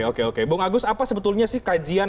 oke oke bung agus apa sebetulnya sih kajian